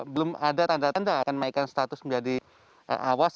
belum ada tanda tanda akan menaikkan status menjadi awas